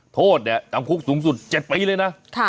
โทษเนี่ยจำคุกสูงสุด๗ปีเลยนะ